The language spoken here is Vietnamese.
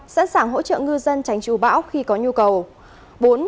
sẵn sàng hỗ trợ ngư dân tránh trù bão khi có nhu cầu